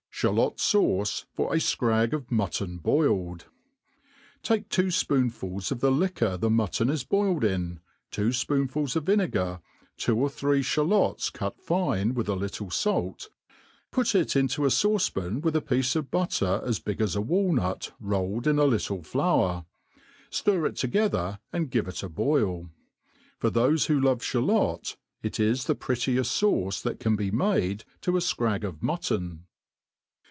Sbalot fauce for a Scra^ of Mutton boiled. TAKE two fpoonfuls of the liquor the mutton is boiled in, two fpoonfuls of vinegar, two or three fhalots cut fine, with a little fait; put it into a fauce pan, with a piece of butter as big as a walnut rolled in a little flour ;.ftir it together, and give it a boil. For thofe, who love ftialot, it is the pi^t^ieft fauce that can be made to a fcrag of mutton.